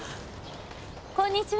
こんにちは！